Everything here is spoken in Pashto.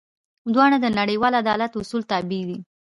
دواړه د نړیوال عدالت اصولو تابع دي.